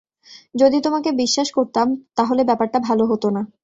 যদি তোমাকে বিশ্বাস করতাম তাহলে ব্যাপারটা ভালো হত না।